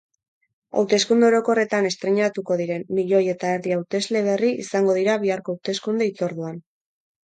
Hauteskunde orokorretan estreinatuko diren milioi eta erdi hautesle berri izango dira biharko hauteskunde-hitzorduan.